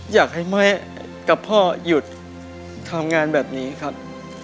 อยากให้แม่กับพ่อหยุดทำงานแบบนี้ครับ